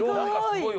すごい。